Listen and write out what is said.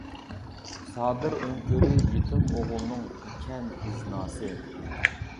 سادىر ئۆڭكۈرى يېتىم ئوغۇلنىڭ ئىكەن ئىزناسى.